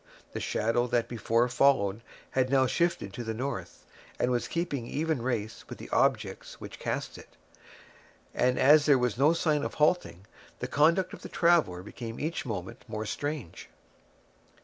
The shadow that before followed had now shifted to the north, and was keeping even race with the objects which cast it; and as there was no sign of halting, the conduct of the traveller became each moment more strange.